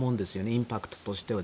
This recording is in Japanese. インパクトとしては。